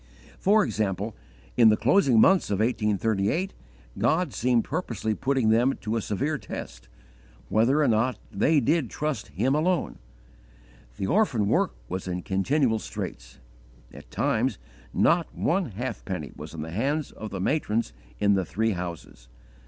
For example, in the closing months of 1838 God seemed purposely putting them to a severe test, whether or not they did trust Him alone. The orphan work was in continual straits: at times not one half penny was in the hands of the matrons in the three houses.